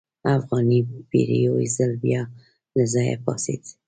افغاني پیر یو ځل بیا له ځایه پاڅېد.